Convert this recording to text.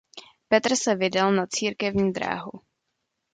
Petr se vydal na církevní dráhu.